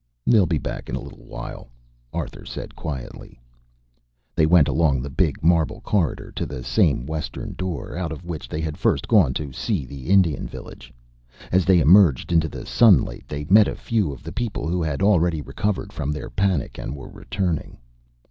"They'll be back in a little while," Arthur said quietly. They went along the big marble corridor to the same western door, out of which they had first gone to see the Indian village. As they emerged into the sunlight they met a few of the people who had already recovered from their panic and were returning.